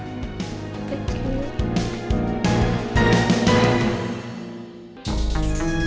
terima kasih tante